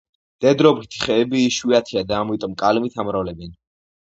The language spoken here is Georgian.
მდედრობითი ხეები იშვიათია და ამიტომ კალმით ამრავლებენ.